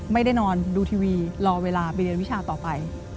ไม่ได้นอนดูทีวีรอเวลาไปเรียนวิชาต่อไป